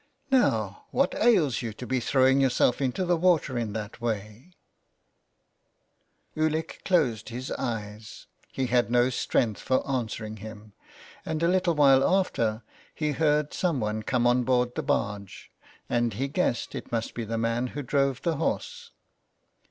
*' Now, what ails you to be throwing yourself into the water in that way ?" 287 so ON HE FARES. Ulick closed his eyes ; he had no strength for answering him, and a Httle while after he heard some one come on board the barge, and he guessed it must be the man who drove the horse.